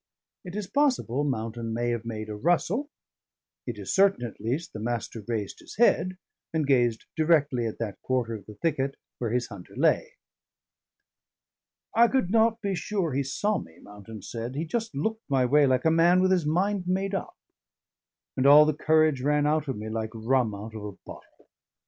It is possible Mountain may have made a rustle, it is certain, at least, the Master raised his head and gazed directly at that quarter of the thicket where his hunter lay; "I could not be sure he saw me," Mountain said; "he just looked my way like a man with his mind made up, and all the courage ran out of me like rum out of a bottle."